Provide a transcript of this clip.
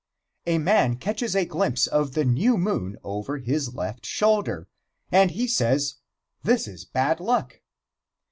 A man catches a glimpse of the new moon over his left shoulder, and he says: "This is bad luck."